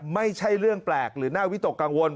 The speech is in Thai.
ไม่ใช่เรื่องแปลกหรือน่าวิตกกังวล